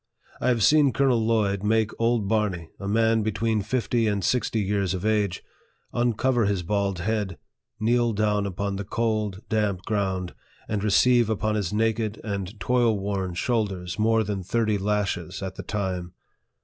I have seen Colonel Lloyd make old Barney, a man between fifty and sixty years of age, uncover his bald head, kneel down upon the cold, damp ground, and receive upon his naked and toil worn shoulders more than thirty lashes at the time.